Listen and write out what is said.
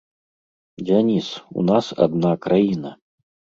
Дзяніс, у нас адна краіна.